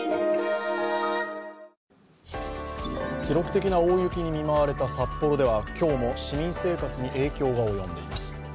記録的な大雪に見舞われた札幌では今日も市民生活に影響が及んでいます。